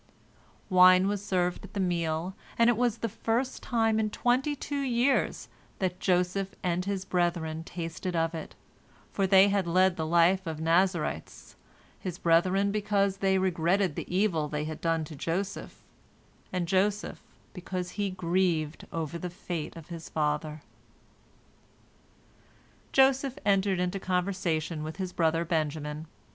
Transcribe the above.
Wine was served at the meal, and it was the first time in twenty two years that Joseph and his brethren tasted of it, for they had led the life of Nazarites, his brethren because they regretted the evil they had done to Joseph, and Joseph because he grieved over the fate of his father. Joseph entered into conversation with his brother Benjamin.